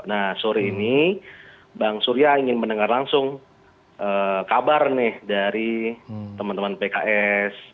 nah sore ini bang surya ingin mendengar langsung kabar nih dari teman teman pks